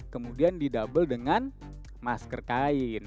kemudian di double dengan masker kain